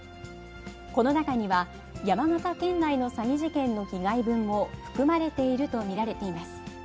この中には、山形県内の詐欺事件の被害分も含まれていると見られています。